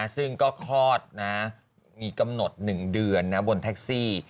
ซึ่งก็คลอดนะมีกำหนด๑เดือนบนแท็กซี่